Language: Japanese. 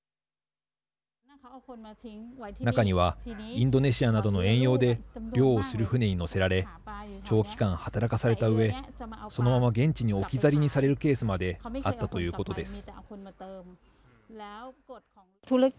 中にはインドネシアなどの遠洋で漁をする船に乗せられ長期間、働かされたうえそのまま現地に置き去りにされるケースまであったということです。